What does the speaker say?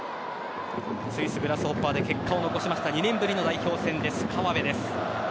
スイス・グラスホッパーで結果を残した２年ぶりの代表戦です川辺です。